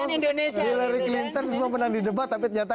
hillary clinton semua menang di debat tapi ternyata